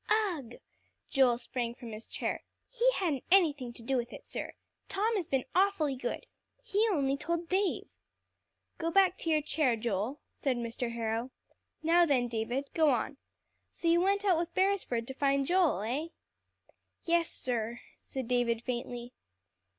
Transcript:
"Ugh!" Joel sprang from his chair. "He hadn't anything to do with it, sir. Tom has been awfully good. He only told Dave." "Go back to your chair, Joel," said Mr. Harrow. "Now, then, David, go on. So you went out with Beresford to find Joel, eh?" "Yes, sir," said David faintly.